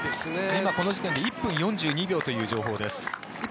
今この時点で１分４２秒という情報です。